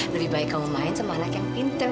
lebih baik kamu main sama anak yang pinter